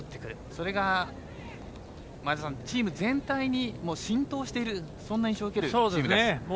それがチーム全体に浸透しているそんな印象を受けるチームです。